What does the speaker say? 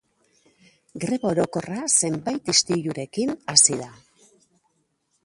Greba orokorra zenbait istilurekin hasi da.